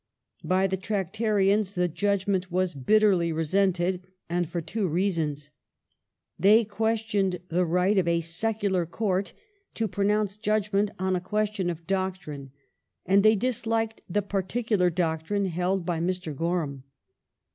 By ^ the Tractarians the judgment was bitterly resented. And for two reasons. They questioned the right of a secular Court to pronounce judgment on a question of doctrine, and they disliked the particular doctrine held by Mr. Gorham.